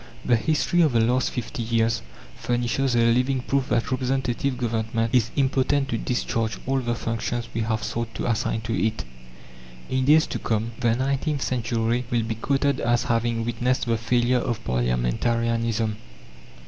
The history of the last fifty years furnishes a living proof that Representative Government is impotent to discharge all the functions we have sought to assign to it. In days to come the nineteenth century will be quoted as having witnessed the failure of parliamentarianism.